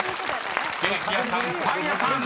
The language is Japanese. ［「ケーキ屋さん・パン屋さん」